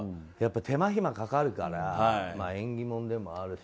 手間暇かかるから縁起物でもあるし。